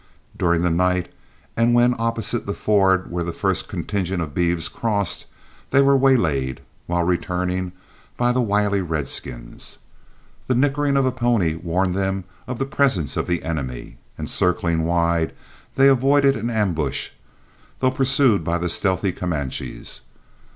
During the night and when opposite the ford where the first contingent of beeves crossed, they were waylaid, while returning, by the wily redskins. The nickering of a pony warned them of the presence of the enemy, and circling wide, they avoided an ambush, though pursued by the stealthy Comanches.